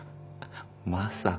まさか。